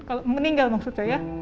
kalau meninggal maksud saya